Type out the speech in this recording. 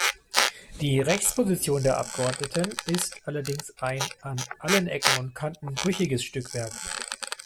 Die Rechtsposition der Abgeordneten ist allerdings ein an allen Ecken und Kanten brüchiges Stückwerk.